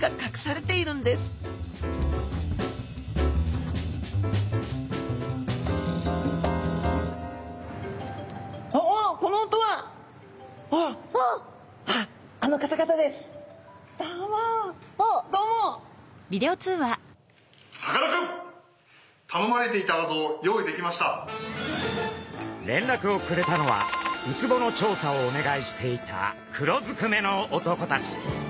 れんらくをくれたのはウツボの調査をお願いしていた黒ずくめの男たち。